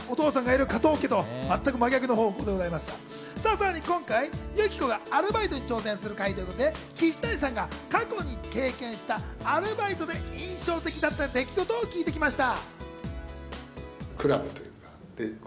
さらに今回、ユキコがアルバイトに挑戦する回ということ、岸谷さんが過去に経験したアルバイトで印象的だった出来事を聞いてきました。